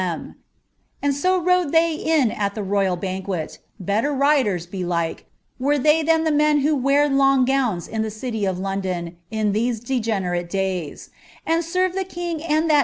them ; and so rode tliey in at the royal banquet, (betiei r were they than the men who wear long gowns in the ci: in these degenerate days), and served the king and that nt>'